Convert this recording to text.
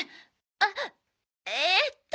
あっええっと